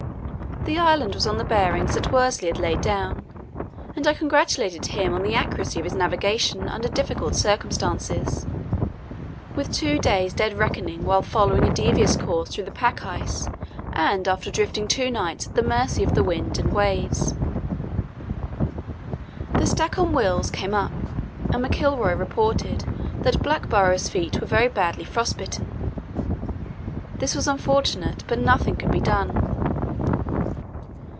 The island was on the bearings that Worsley had laid down, and I congratulated him on the accuracy of his navigation under difficult circumstances, with two days dead reckoning while following a devious course through the pack ice and after drifting during two nights at the mercy of wind and waves. The Stancomb Wills came up and McIlroy reported that Blackborrow's feet were very badly frost bitten. This was unfortunate, but nothing could be done.